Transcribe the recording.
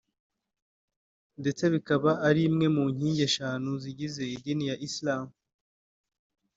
ndetse bikaba ari imwe mu nkingi eshanu zigize idini ya Isilamu